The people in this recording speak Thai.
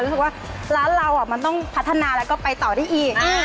รู้สึกว่าร้านเรามันต้องพัฒนาแล้วก็ไปต่อได้อีก